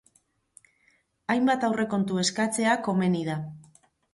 Hainbat aurrekontu eskatzea komeni da.